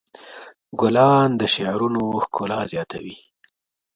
ګلان د شعرونو ښکلا زیاتوي.